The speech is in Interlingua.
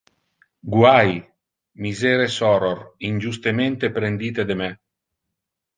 Guai! Misere soror, injustemente prendite de me!